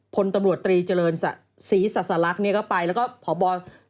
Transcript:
พลตำรวจตรีเจริญศรีสัสลักษณ์ก็ไปแล้วก็พบ